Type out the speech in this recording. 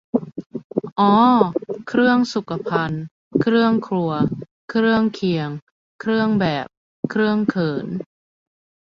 อ้อ เครื่องสุขภัณฑ์ เครื่องครัว เครื่องเคียง เครื่องแบบ เครื่องเขิน